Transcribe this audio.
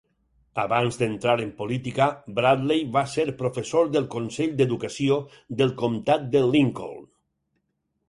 Abans d'entrar en política, Bradley va ser professor del consell d'educació del comtat de Lincoln.